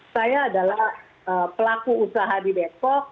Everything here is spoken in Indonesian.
saya adalah pelaku usaha di depok